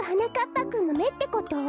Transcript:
ぱくんのめってこと？